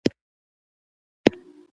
هلته یې د باچا پایدواني ونیوله.